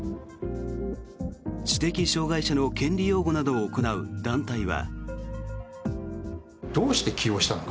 知的障害者の権利擁護などを行う団体は。